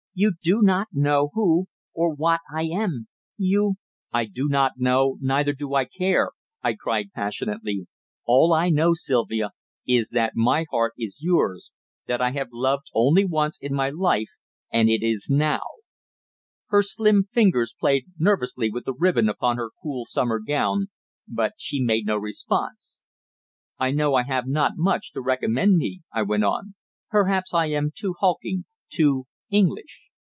You do not know who or what I am; you " "I do not know, neither do I care!" I cried passionately. "All I know, Sylvia, is that my heart is yours that I have loved only once in my life, and it is now!" Her slim fingers played nervously with the ribbon upon her cool summer gown, but she made no response. "I know I have not much to recommend me," I went on. "Perhaps I am too hulking, too English.